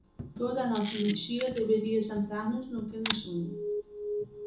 Toda a nosa enerxía debería centrarnos no que nos une.